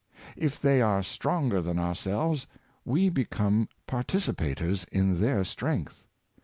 If they are stronger than ourselves, we become participators in their strength.